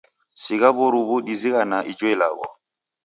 Sigha w'oruw'u dizighanaa ijo ilagho.